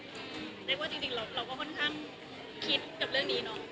เรียกว่าจริงเราก็ค่อนข้างคิดกับเรื่องนี้เนาะ